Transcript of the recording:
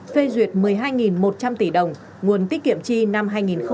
phê duyệt một mươi hai một trăm linh tỷ đồng nguồn tiết kiệm chi năm hai nghìn hai mươi